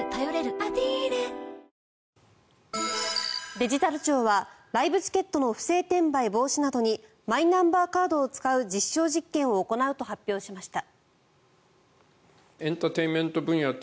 デジタル庁はライブチケットの不正転売防止などにマイナンバーカードを使う実証実験を行うと発表しました。